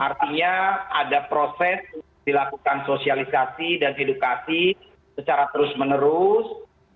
artinya ada proses dilakukan sosialisasi dan edukasi secara terus menerus